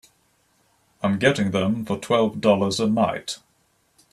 I'm getting them for twelve dollars a night.